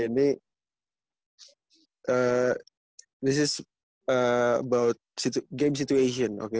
ini tentang situasi permainan oke